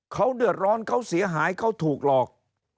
เขาเดือดร้อนเขาเสียหายเขาถูกหลอก